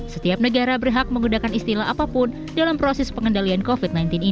setiap negara berhak menggunakan istilah apapun dalam proses pengendalian covid sembilan belas ini